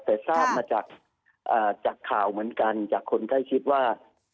แต่ทราบมาจากข่าวเหมือนกันจากคนใกล้ชิดว่า